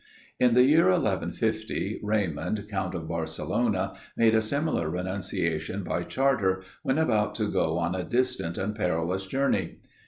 In the year 1150, Raymond, count of Barcelona, made a similar renunciation by charter, when about to go on a distant and perilous journey.